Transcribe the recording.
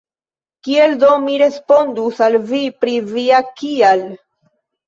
Kiel do mi respondus al vi pri via “kial”?